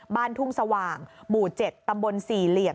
บ้านทุ่งสว่างหมู่๗ตำบลสี่เหลี่ยม